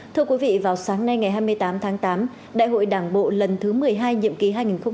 thưa quý vị vào sáng nay ngày hai mươi tám tháng tám đại hội đảng bộ lần thứ một mươi hai nhiệm ký hai nghìn hai mươi hai nghìn hai mươi năm